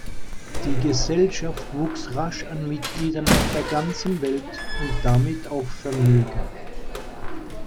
Die Gesellschaft wuchs rasch an Mitgliedern auf der ganzen Welt und damit auch Vermögen.